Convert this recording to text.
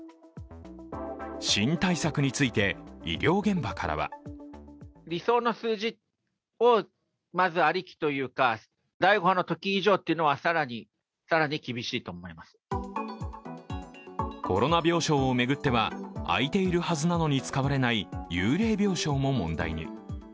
新対策について医療現場からはコロナ病床を巡っては空いているはずなのに使われない幽霊病床も問題に。